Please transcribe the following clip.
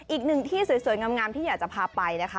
อีกหนึ่งที่สวยงามที่อยากจะพาไปนะคะ